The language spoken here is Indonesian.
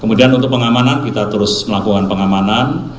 kemudian untuk pengamanan kita terus melakukan pengamanan